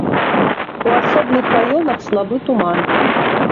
У асобных раёнах слабы туман.